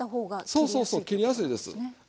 そうそうそう切りやすいです。